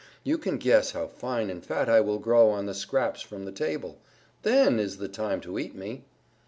You can guess how fine and fat I will grow on the scraps from the table. Then is the time to eat me."